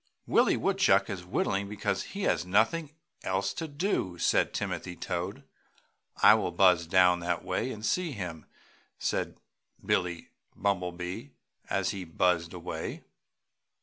"Willie Woodchuck is whittling because he has nothing else to do!" said Timothy Toad. "I will buzz down that way and see him!" said Billie Bumblebee, as he buzzed away.